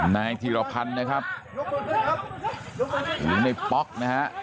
นายธีรพันธ์นะครับหรือในป๊อกนะฮะ